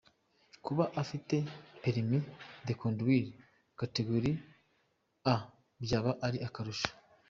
Kuba afite permis de conduire categorie A byaba ari akarusho.